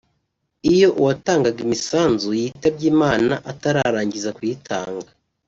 Iyo uwatangaga imisanzu yitabye Imana atararangiza kuyitanga